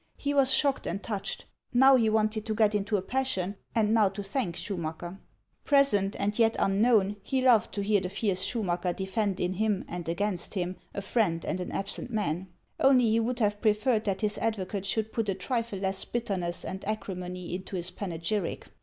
He was shocked and touched. Now he wanted to get into a passion, and now to thank Schumacker. Present and yet unknown, he loved to hear the fierce Schumacker defend in him, and against him, a friend and an absent man ; onlv he would HAXS OF ICELAND. 269 have preferred that his advocate should put a trifle less bitterness and acrimony into his panegyric.